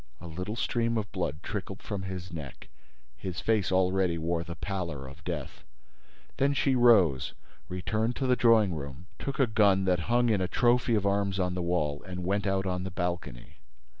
A little stream of blood trickled from his neck. His face already wore the pallor of death. Then she rose, returned to the drawing room, took a gun that hung in a trophy of arms on the wall and went out on the balcony.